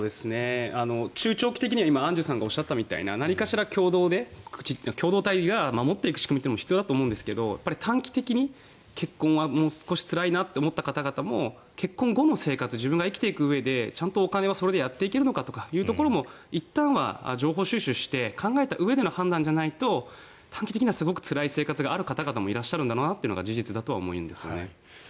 中長期的には今、アンジュさんがおっしゃったようななんらかの、共同で、共同体が守っていく仕組みというのも必要だと思うんですが短期的に結婚は少しつらいなと思った方々も、離婚後の生活ちゃんとお金はそれでやっていけるのかというところもいったんは情報収集して考えたうえでの判断じゃないと短期的にはすごくつらい生活がある方々もいらっしゃるのも事実だとは思います。